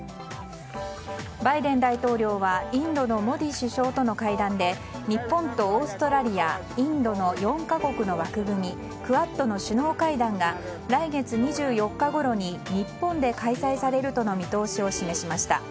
バイデン大統領はインドのモディ首相との会談で日本とオーストラリアインドの４か国の枠組みクアッドの首脳会談が来月２４日ごろに日本で開催されるとの見通しを示しました。